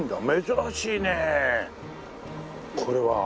珍しいねこれは。